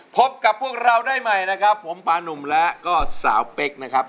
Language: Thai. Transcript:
พบกับพวกเราได้ใหม่นะครับผมปานุ่มและก็สาวเป๊กนะครับ